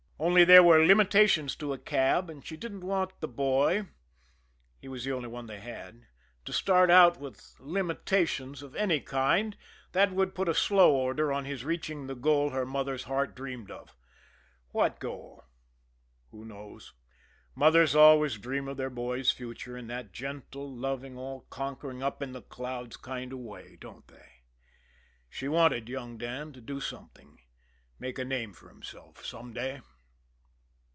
Only there were limitations to a cab, and she didn't want the boy, he was the only one they had, to start out with limitations of any kind that would put a slow order on his reaching the goal her mother's heart dreamed of. What goal? Who knows? Mothers always dream of their boy's future in that gentle, loving, all conquering, up in the clouds kind of a way, don't they? She wanted young Dan to do something, make a name for himself some day.